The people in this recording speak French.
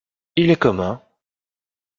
Il est commun.